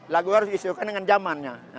lagu harus disesuaikan dengan zamannya